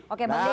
oke bang dedy